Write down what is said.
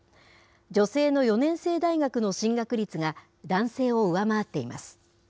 女性の４年制大学の進学率が、男性を上回っています。